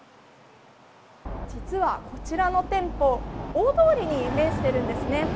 実はこちらの店舗大通りに面しているんですね。